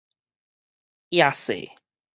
厭世